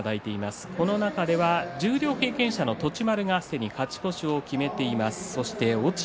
この中では十両経験者の栃丸すでに勝ち越しを決めています。